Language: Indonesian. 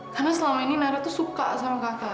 karena selama ini nara tuh suka sama kakak